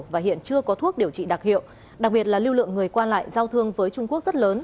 và hiện chưa có thuốc điều trị đặc hiệu đặc biệt là lưu lượng người qua lại giao thương với trung quốc rất lớn